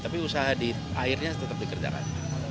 tapi usaha di airnya tetap dikerjakan